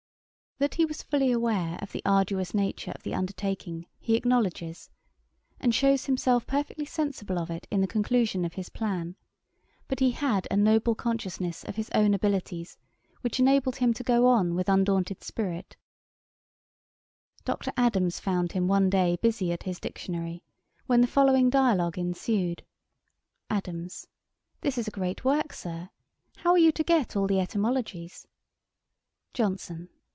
That he was fully aware of the arduous nature of the undertaking, he acknowledges; and shews himself perfectly sensible of it in the conclusion of his Plan; but he had a noble consciousness of his own abilities, which enabled him to go on with undaunted spirit. [Page 186: The Dictionary of the French Academy. A.D. 1748.] Dr. Adams found him one day busy at his Dictionary, when the following dialogue ensued. 'ADAMS. This is a great work, Sir. How are you to get all the etymologies? JOHNSON.